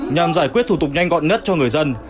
nhằm giải quyết thủ tục nhanh gọn nhất cho người dân